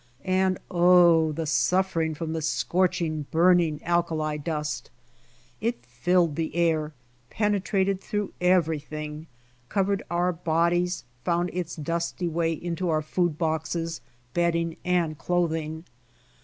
And Oh, the suffering from the scorching, burning alkali dust. It filled the air, penetrated through everything, covered our bodies, found its dusty way into our food boxes, bedding, and clothing.